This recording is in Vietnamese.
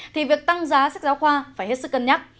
thì việc tăng giá sách giáo khoa phải hết sức cân nhắc